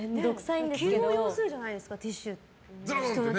急を要するじゃないですかティッシュ。